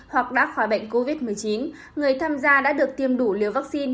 hoặc đá khóa bệnh covid một mươi chín người tham gia đã được tiêm đủ liều vaccine